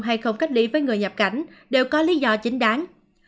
hay không cách ly với người nhập cảnh đều có lý do chính đáng